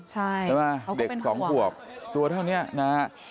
ใช่เขาก็เป็นห่วงเด็กสองขวบตัวเท่านี้นะ